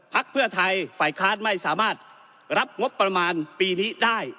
เพื่อไทยฝ่ายค้านไม่สามารถรับงบประมาณปีนี้ได้